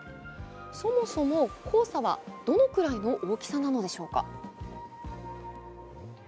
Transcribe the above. そもそも黄砂は、どのくらいの大きさなのでしょうか。